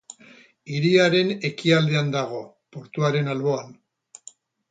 Hiriaren ekialdean dago, portuaren alboan.